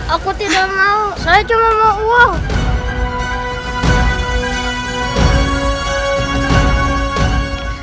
aku tidak mau saya cuma mau wow